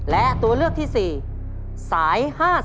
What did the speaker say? และตัวเลือกที่๔สาย๕๔